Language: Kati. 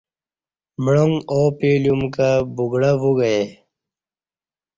معانگ ا و پی لیوم کہ بگڑ ہ وو گئے